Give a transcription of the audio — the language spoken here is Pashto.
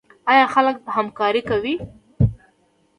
آیا خلک همکاري کوي؟